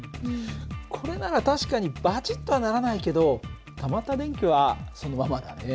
これなら確かにバチッとはならないけどたまった電気はそのままだね。